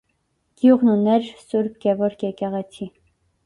Գյուղն ուներ Ս. Գևորգ եկեղեցի։